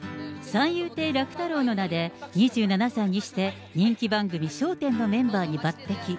三遊亭楽太郎の名で２７歳にして人気番組、笑点のメンバーに抜てき。